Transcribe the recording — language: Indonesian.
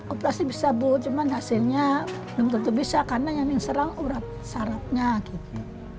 operasi bisa bu cuma hasilnya belum tentu bisa karena yang serang urap sarapnya gitu